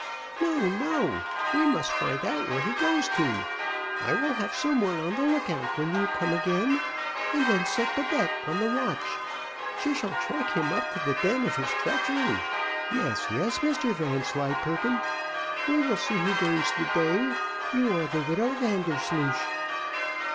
"No, no, we must find out where he goes to. I will have some one on the look out when you come again, and then set Babette on the watch; she shall track him up to the den of his treachery. Yes, yes, Mr Vanslyperken, we will see who gains the day, you or the widow Vandersloosh."